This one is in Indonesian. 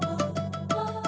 nih aku tidur